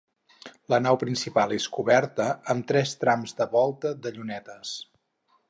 La nau principal és coberta amb tres trams de volta de llunetes.